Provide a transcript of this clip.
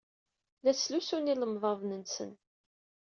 La ttlusunt ilemḍaḍen-nsent.